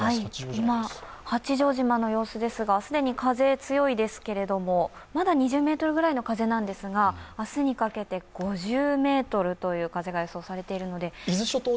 今、八丈島の様子ですが既に風が強いですが、まだ２０メートルぐらいの風なんですが明日にかけて５０メートルという風が予想されているので。